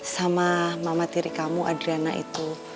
sama mama tiri kamu adrana itu